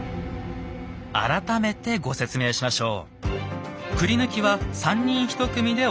改めてご説明しましょう。